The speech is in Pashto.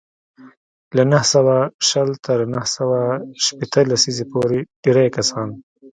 له نهه سوه شل تر نهه سوه شپېته لسیزې پورې ډېری کسان